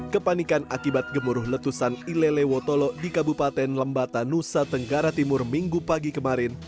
kepanikan akibat gemuruh letusan ilele wotolo di kabupaten lembata nusa tenggara timur minggu pagi kemarin